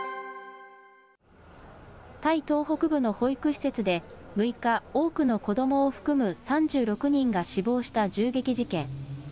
タイ東北部の保育施設で６日、多くの子どもを含む３６人が死亡した銃撃事件。